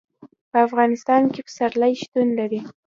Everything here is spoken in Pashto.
په افغانستان کې پسرلی شتون لري.